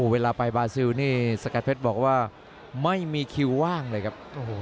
เวลาไปบาซิลนี่สกัดเพชรบอกว่าไม่มีคิวว่างเลยครับ